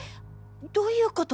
どういうこと！？